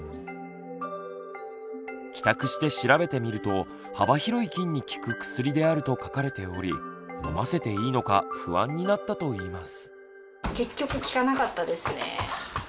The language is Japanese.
帰宅して調べてみると幅広い菌に効く薬であると書かれており飲ませていいのか不安になったといいます。